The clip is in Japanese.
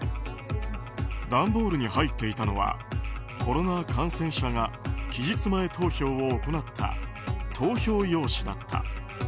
段ボールに入っていたのはコロナ感染者が期日前投票を行った投票用紙だった。